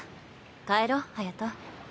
帰ろう隼。